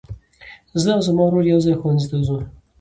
زه او زما ورور يوځای ښوونځي ته ځو.